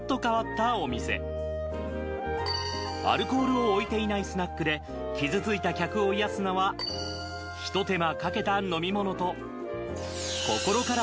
アルコールを置いていないスナックで傷ついた客を癒やすのはひと手間かけた飲み物と。